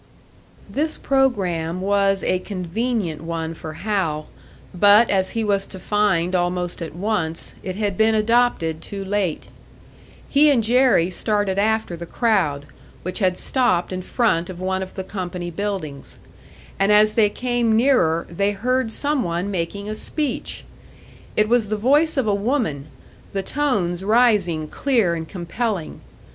This programme was a convenient one for Hal; but as he was to find almost at once, it had been adopted too late. He and Jerry started after the crowd, which had stopped in front of one of the company buildings; and as they came nearer they heard some one making a speech. It was the voice of a woman, the tones rising clear and compelling.